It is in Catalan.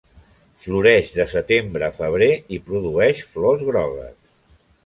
Floreix de setembre a febrer i produeix flors grogues.